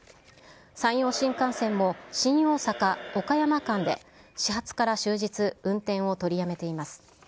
山陽新幹線も新大阪・岡山間で始発から終日、運転を取りやめています。